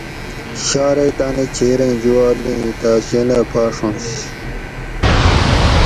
شارئی تانی کھیریں جوار لِینی تاۤس ینلہ پاڛنش